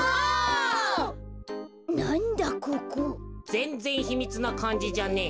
ぜんぜんひみつなかんじじゃねえ。